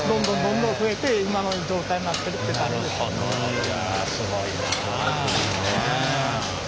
いやすごいな。